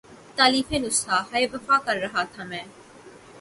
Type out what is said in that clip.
تالیف نسخہ ہائے وفا کر رہا تھا میں